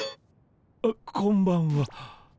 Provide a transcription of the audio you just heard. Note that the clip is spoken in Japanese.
あこんばんは。